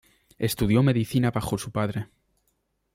Estudió medicina bajo su padre.